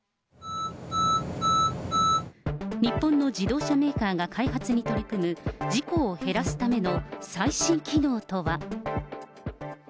日本の自動車メーカーが開発に取り組む、事故を減らすための最新機能とは。